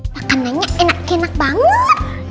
makanannya enak enak banget